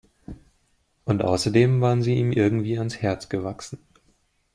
Und außerdem waren sie ihm irgendwie ans Herz gewachsen.